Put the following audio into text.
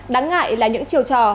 đáng ngại là những chiều trò